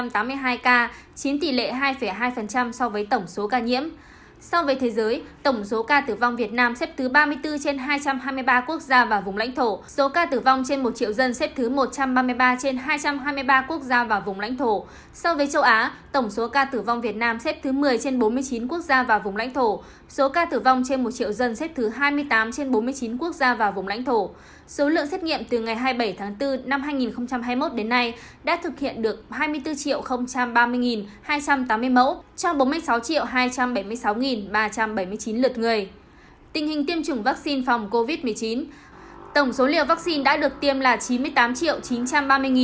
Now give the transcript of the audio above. tổng số liều vaccine đã được tiêm là chín mươi tám chín trăm ba mươi năm trăm bảy mươi một liều trong đó tiêm mũi một là sáu mươi bốn ba trăm hai mươi hai tám mươi bảy liều